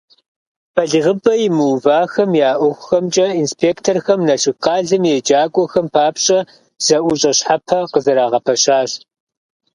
БалигъыпӀэ имыувахэм я ӀуэхухэмкӀэ инспекторхэм Налшык къалэм и еджакӀуэхэм папщӀэ зэӀущӀэ щхьэпэ къызэрагъэпэщащ.